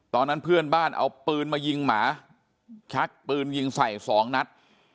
ตอนนั้นเพื่อนบ้านเอาปืนมายิงหมาชักปืนยิงใส่สองนัด